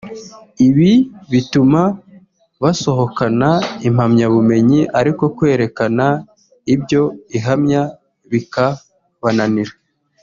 ibi bituma basohokana impamyabumenyi ariko kwerekana ibyo ihamya bikabananira